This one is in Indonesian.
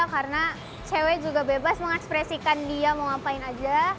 karena cewek juga bebas mengekspresikan dia mau ngapain aja